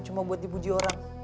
cuma buat dipuji orang